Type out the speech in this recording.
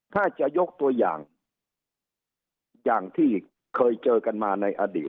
ถ้าจะยกตัวอย่างอย่างที่เคยเจอกันมาในอดีต